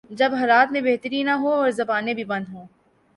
جب حالات میں بہتری نہ ہو اور زبانیں بھی بند ہوں۔